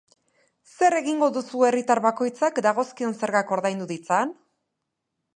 Zer egingo duzu herritar bakoitzak dagozkion zergak ordaindu ditzan?